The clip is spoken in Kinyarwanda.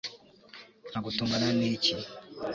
nka gutungana ni iki